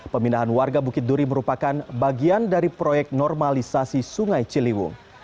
pemindahan warga bukit duri merupakan bagian dari proyek normalisasi sungai ciliwung